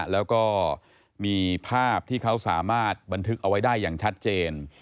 แล้วก็มีภาพที่เขาสามารถบันทึกเอาไว้ได้อย่างชัดเจน